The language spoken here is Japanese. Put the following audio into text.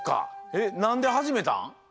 えっなんではじめたん？